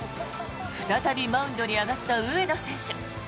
再びマウンドに上がった上野選手。